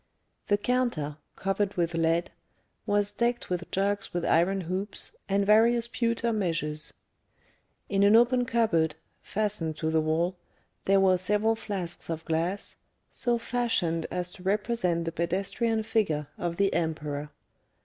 The counter, covered with lead, was decked with jugs with iron hoops, and various pewter measures. In an open cupboard, fastened to the wall, there were several flasks of glass, so fashioned as to represent the pedestrian figure of the Emperor.